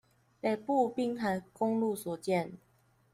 北部濱海公路所見